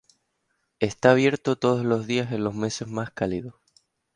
Está abierto todos los días en los meses más cálidos.